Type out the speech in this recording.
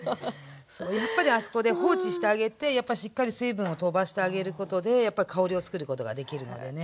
そうやっぱりあそこで放置してあげてやっぱしっかり水分を飛ばしてあげることでやっぱ香りをつくることができるのでね。